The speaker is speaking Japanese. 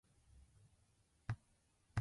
頭が痛いときは寝るのが一番。